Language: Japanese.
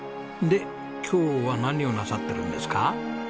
で今日は何をなさってるんですか？